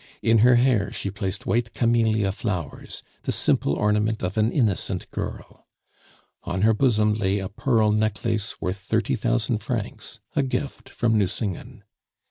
In her hair she placed white camellia flowers, the simple ornament of an innocent girl. On her bosom lay a pearl necklace worth thirty thousand francs, a gift from Nucingen.